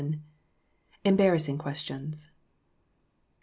EMBARRASSING QUESTIONS.